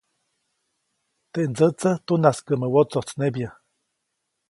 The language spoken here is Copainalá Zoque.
Teʼ ndsätsä tunaskäʼmä wotsojtsnebya.